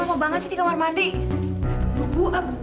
apa sih yang aku kira makamu sudah ber debut